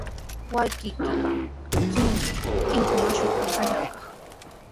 Wawqiiqa kikinmi akshuta allaykan.